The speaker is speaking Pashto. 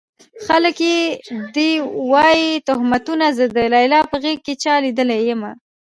خلک دې وايي تُهمتونه زه د ليلا په غېږ کې چا ليدلی يمه